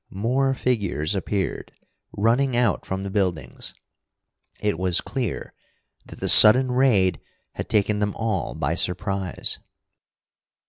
More figures appeared, running out from the buildings. It was clear that the sudden raid had taken them all by surprise.